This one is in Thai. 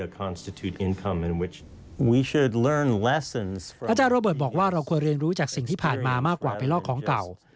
อาจารย์โรเบิร์ตบอกว่าเราควรเรียนรู้จากสิ่งที่ผ่านมามากกว่าไปลอกของเก่า